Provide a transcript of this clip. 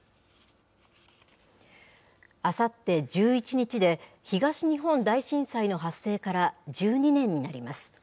あさって１１日で、東日本大震災の発生から１２年になります。